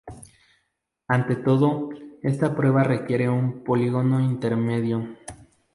Ante todo, esta prueba requiere un polígono intermedio.